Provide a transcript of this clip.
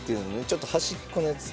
ちょっと端っこのやつ